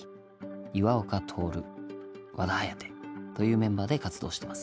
岩岡徹和田颯というメンバーで活動してます。